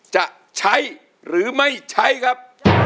จะใช้หรือไม่ใช้ครับ